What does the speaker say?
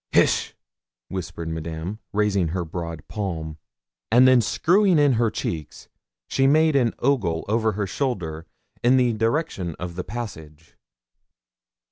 'Hish!' whispered Madame, raising her broad palm; and then screwing in her cheeks, she made an ogle over her shoulder in the direction of the passage.